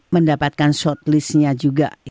mendapatkan shortlist nya juga